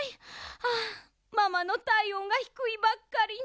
ああママのたいおんがひくいばっかりに。